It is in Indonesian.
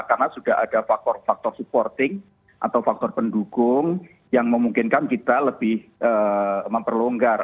karena sudah ada faktor faktor supporting atau faktor pendukung yang memungkinkan kita lebih memperlonggar